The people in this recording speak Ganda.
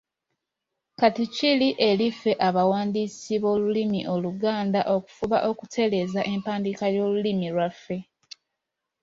Kati kiri eri ffe abawandiisi b’olulimi Oluganda okufuba okutereeza empandiika y’olulimi lwaffe.